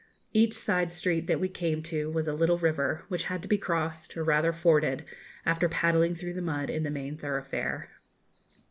Each side street that we came to was a little river, which had to be crossed, or rather forded, after paddling through the mud in the main thoroughfare.